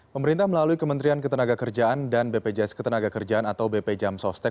pemerintah melalui kementerian ketenagakerjaan dan bpjs ketenagakerjaan atau bp jam sostek